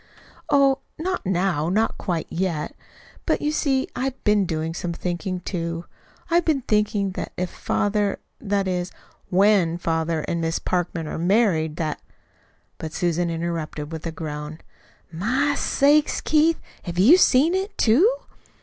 "Oh, not now not quite yet. But you see I'VE been doing some thinking, too. I've been thinking that if father that is, WHEN father and Miss Parkman are married that " But Susan interrupted with a groan. "My sakes, Keith, have you seen it, too?"